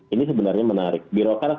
ini sebenarnya menarik birokrat